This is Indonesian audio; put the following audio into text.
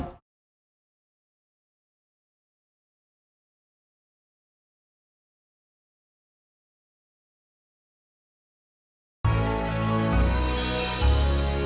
tidak ada apa apa